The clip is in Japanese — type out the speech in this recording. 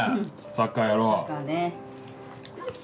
サッカーやろう。